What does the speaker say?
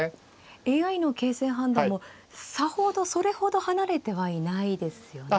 ＡＩの形勢判断もさほどそれほど離れてはいないですよね。